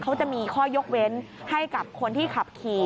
เขาจะมีข้อยกเว้นให้กับคนที่ขับขี่